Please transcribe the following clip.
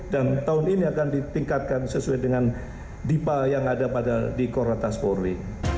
dan tahun ini akan ditingkatkan sesuai dengan dipa yang ada pada dikor ratas polri